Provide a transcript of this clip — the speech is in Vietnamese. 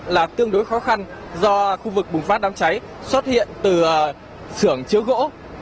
là tương đối khó khăn do khu vực bùng phát đám cháy xuất hiện từ sưởng chứa gỗ